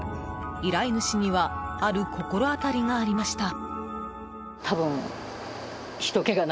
依頼主にはある心当たりがありました。